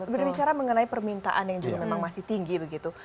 berbicara mengenai permintaan yang juga memang masih tinggi begitu